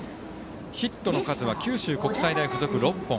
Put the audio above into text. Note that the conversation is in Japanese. ヒットの数は九州国際大付属、６本。